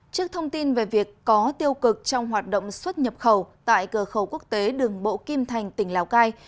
trước thông tin về việc có tiêu cực trong hoạt động xuất nhập khẩu tại cửa khẩu quốc tế đường bộ kim thành tỉnh lào cai